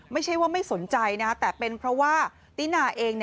ไม่ใช่ว่าไม่สนใจนะแต่เป็นเพราะว่าตินาเอง